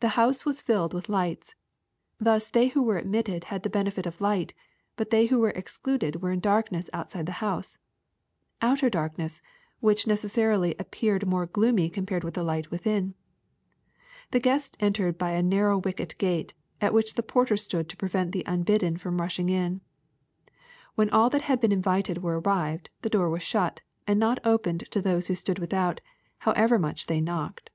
The house was filled with lights. Thus they who were admitted have the benefit of light ; but they who were excluded were in dark ness outside the house, — 'outer darkness,* — ^which necessarily appeared more gloomy compared with the light within." The guests entered by a narrow wicket gate, at which the porter stood to prevent the unbidden fi om rushing in. When all that had been invited were arrived, the door was shut, and not opened to those who stood without, however much they knocked.